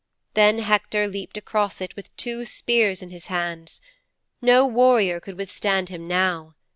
Then Hector leaped across it with two spears in his hands. No warrior could withstand him now.